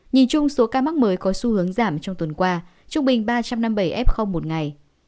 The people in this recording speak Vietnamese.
nhìn chung số ca mắc mới có xu hướng giảm trong tuần qua trung bình ba trăm năm mươi bảy f một ngày